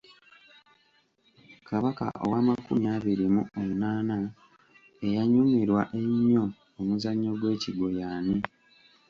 Kabaka ow’amakumi abiri mu omunaana eyanyumirwa ennyo omuzannyo gw’ekigwo y'ani?